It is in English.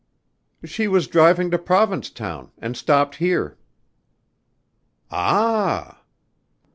"She was driving to Provincetown and stopped here." "Ah!"